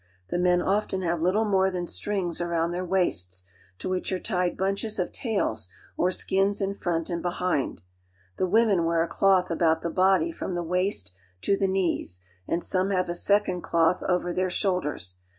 The men ^^H often have little more than strings around theirwaists, to which are tied bunches of tails or skins in front and behind. Thewomen wear a cloth about the body from the waist to the knees, and some have a second cloth over their shoulders.